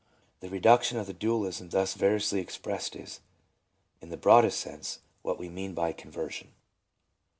The reduction of the dualism thus variously expressed is, in the broadest sense, what we mean by conversion.